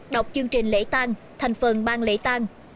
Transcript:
đọc chương trình lễ tăng thành phần bang lễ tăng